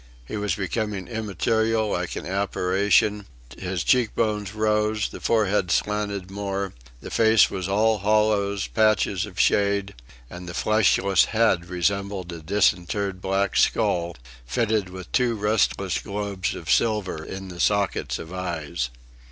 He was becoming immaterial like an apparition; his cheekbones rose, the forehead slanted more; the face was all hollows, patches of shade; and the fleshless head resembled a disinterred black skull, fitted with two restless globes of silver in the sockets of eyes.